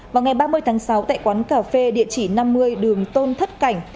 vào ngày ba mươi tháng sáu tại quán cà phê địa chỉ năm mươi đường tôn thất cảnh